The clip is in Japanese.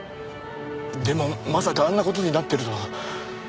でもまさかあんな事になってるとは。